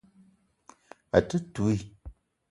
A te touii.